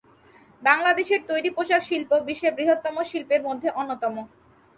বাংলাদেশের তৈরি পোশাক শিল্প বিশ্বের বৃহত্তম শিল্পের মধ্যে অন্যতম।